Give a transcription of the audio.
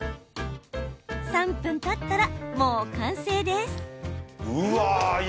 ３分たったら、もう完成です。